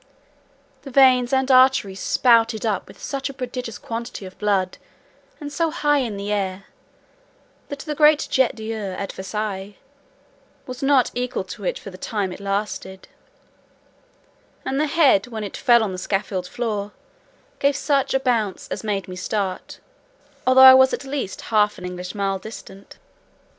The veins and arteries spouted up such a prodigious quantity of blood, and so high in the air, that the great jet d'eau at Versailles was not equal to it for the time it lasted: and the head, when it fell on the scaffold floor, gave such a bounce as made me start, although I was at least half an English mile distant.